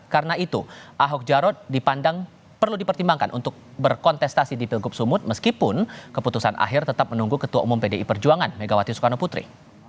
karena itu ahok jarod dipandang perlu dipertimbangkan untuk berkontestasi di pilkub sumut meskipun keputusan akhir tetap menunggu ketua umum pdi perjuangan megawati sukarno putri